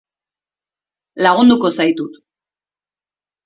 Lagunduko zaitut.